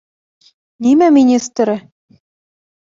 Нимә министры?